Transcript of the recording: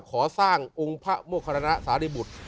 ขอสร้างโมครานะสารีบุตร